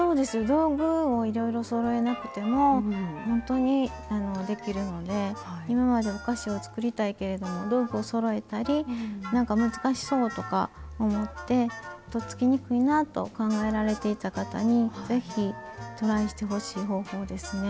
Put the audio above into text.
道具をいろいろそろえなくてもほんとにあのできるので今までお菓子をつくりたいけれども道具をそろえたり何か難しそうとか思ってとっつきにくいなぁと考えられていた方に是非トライしてほしい方法ですね。